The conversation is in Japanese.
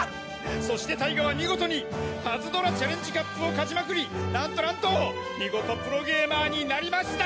そしてタイガは見事にパズドラチャレンジカップを勝ちまくりなんとなんと見事プロゲーマーになりました！